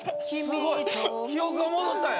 すごい記憶が戻ったんや。